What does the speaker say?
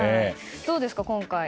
どうですか、今回。